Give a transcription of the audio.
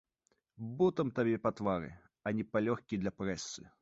Ботам табе па твары, а не палёгкі для прэсы!